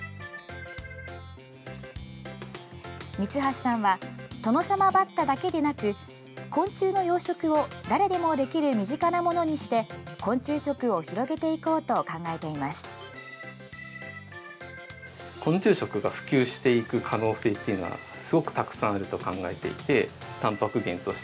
三橋さんはトノサマバッタだけでなく昆虫の養殖を誰でもできる身近なものにして昆虫食を広げていこうと考えています。